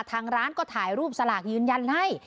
ทางร้านก็ถ่ายรูปสลากยืนยันให้